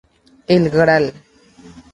El gral.